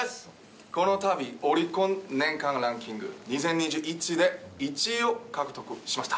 このたびオリコン年間ランキング２０２１で１位を獲得しました。